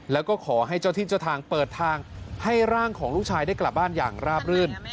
แล้วก็ขอให้เจ้าที่เจ้าทางเปิดทางให้ร่างของลูกชายได้กลับบ้านอย่างราบรื่น